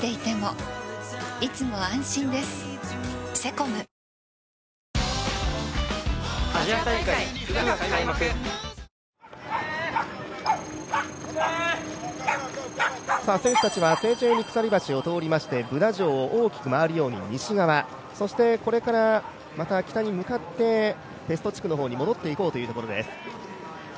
今、ブダ城の西側を選手たちが走って、選手たちが、セーチェーニ鎖橋を通りましてブダ城を大きく回るように西側そしてこれからまた北に向かって、ペスト地区の方に戻っていこうというところです。